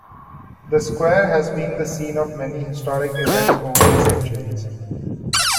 The Square has been the scene of many historic events over the centuries.